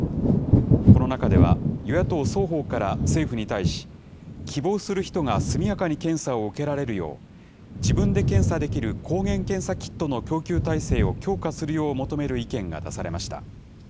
この中では、与野党双方から政府に対し、希望する人が速やかに検査を受けられるよう、自分で検査できる抗原検査キットの供給体制を強化するよう求める意見が出されました。